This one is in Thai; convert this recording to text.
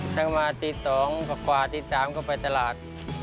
ทั้งมาตี๒กว่าตี๓ก็ไปตลาด